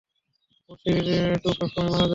বড়শির টোপ সবসময় মারা যায়।